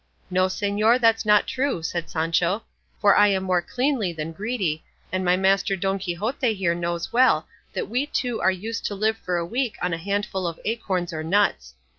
"No, señor, that's not true," said Sancho, "for I am more cleanly than greedy, and my master Don Quixote here knows well that we two are used to live for a week on a handful of acorns or nuts.